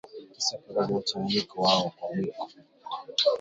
Kisha koroga mchanganyiko wao kwa mwiko